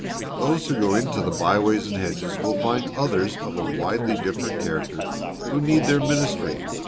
Those who go into the byways and hedges will find others of a widely different character, who need their ministry.